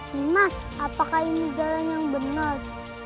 dimas apakah ini jalan yang benar